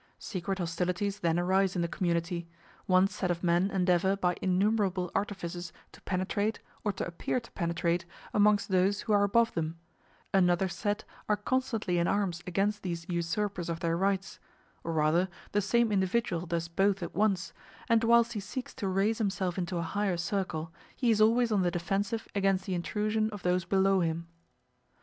Secret hostilities then arise in the community; one set of men endeavor by innumerable artifices to penetrate, or to appear to penetrate, amongst those who are above them; another set are constantly in arms against these usurpers of their rights; or rather the same individual does both at once, and whilst he seeks to raise himself into a higher circle, he is always on the defensive against the intrusion of those below him.